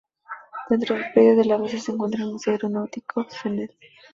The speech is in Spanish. Dentro del predio de la base se encuentra el Museo Aeronáutico Cnel.